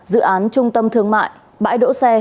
dự án trung tâm thương mại bãi đỗ xe